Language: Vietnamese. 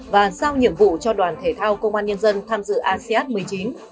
và sao nhiệm vụ cho đoàn thể thao công an nhân dân tham dự asean một mươi chín